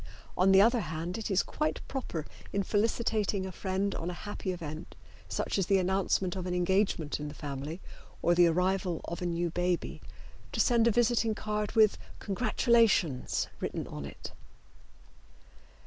On the other hand it is quite proper in felicitating a friend on a happy event, such as the announcement of an engagement in the family or the arrival of a new baby, to send a visiting card with "Congratulations" written on it.